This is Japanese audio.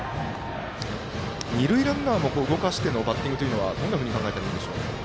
二塁ランナーも動かしてのバッティングというのはどのように考えたらいいでしょうか。